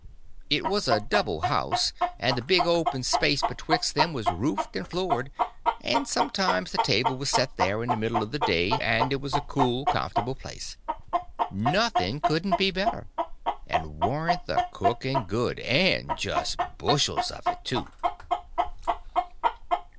It was a double house, and the big open place betwixt them was roofed and floored, and sometimes the table was set there in the middle of the day, and it was a cool, comfortable place. Nothing couldn't be better. And warn't the cooking good, and just bushels of it too!